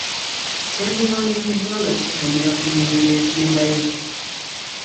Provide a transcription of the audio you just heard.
Kyandiwandiikiddwa nga kiggumira ku nnyingo esembayo.